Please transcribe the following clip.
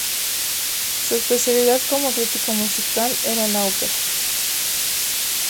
Su especialidad como crítico musical era la ópera.